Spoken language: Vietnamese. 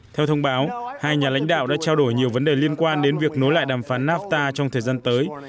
theo thông báo hai nhà lãnh đạo đã trao đổi nhiều vấn đề liên quan đến việc nối lại đàm phán nafta trong thời gian tới